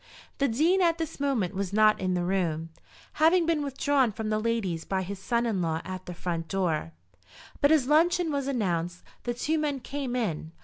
The Dean at this moment was not in the room, having been withdrawn from the ladies by his son in law at the front door; but as luncheon was announced, the two men came in.